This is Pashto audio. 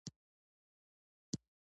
د جوارو دانه ولې کوچنۍ پاتې کیږي؟